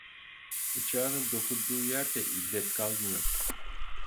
Bıçağının dokunduğu yerde illet kalmıyor.